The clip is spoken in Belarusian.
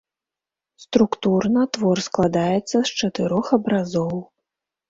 Структурна твор складаецца з чатырох абразоў.